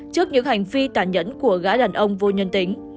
trước những hành vi tàn nhẫn của gã đàn ông vô nhân tính